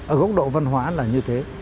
ở góc độ văn hóa là như thế